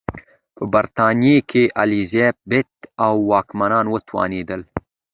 په برېټانیا کې الیزابت او واکمنان وتوانېدل.